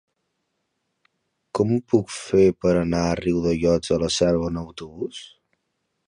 Com ho puc fer per anar a Riudellots de la Selva amb autobús?